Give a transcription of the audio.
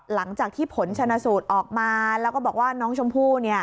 หลังจากที่ผลชนะสูตรออกมาแล้วก็บอกว่าน้องชมพู่